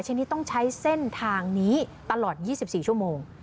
ชนิดต้องใช้เส้นทางนี้ตลอด๒๔ชั่วโมง